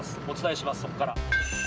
お伝えします、そこから。